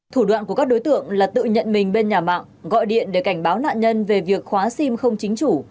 thủ đoạn của các đối tượng là tự nhận mình bên nhà mạng gọi điện để cảnh báo nạn nhân về việc khóa sim không chính chủ